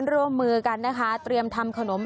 ร่วมมือกันนะคะเตรียมทำขนม